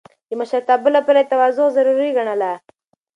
د مشرتابه لپاره يې تواضع ضروري ګڼله.